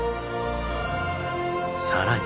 更に。